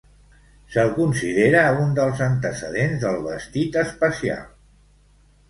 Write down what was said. Se'l considera un dels antecedents del vestit espacial.